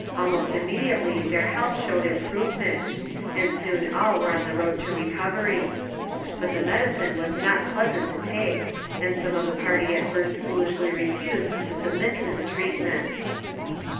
Almost immediately their health showed improvement, and soon all were on the road to recovery. But the medicine was not pleasant to take, and some of the party at first foolishly refused to submit to the treatment.